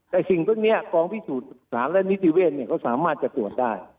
แต่สิ่งต้นเนี่ยพร้อมพิสูจน์สารและนิติเวทเนี่ยเขาสามารถจะตรวจได้